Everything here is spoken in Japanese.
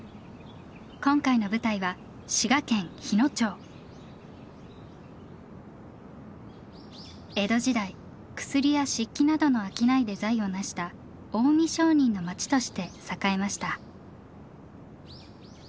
今回の舞台は江戸時代薬や漆器などの商いで財を成した近江商人の町として栄えました。